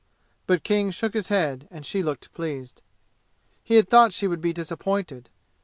But King shook his head, and she looked pleased. He had thought she would be disappointed.